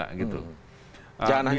jangan hanya melihat empat belas nya itu